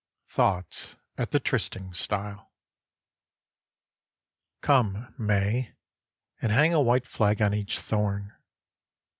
THOUGHTS AT THE TRYSTING STILE Come, May, and hang a white flag on each thorn.